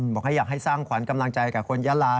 บอกให้อยากให้สร้างขวัญกำลังใจกับคนยาลา